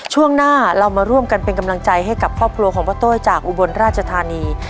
ช่วงหน้าเรามาร่วมกันเป็นกำลังใจให้กับครอบครัวของพ่อโต้ยจากอุบลราชธานี